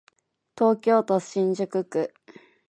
東京都新宿区